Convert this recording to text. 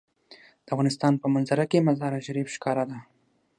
د افغانستان په منظره کې مزارشریف ښکاره ده.